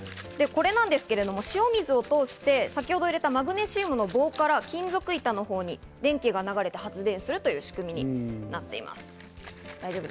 塩水を通して先ほど入れたマグネシウムの棒から金属板のほうに電気が流れて発電するという仕組みになっています。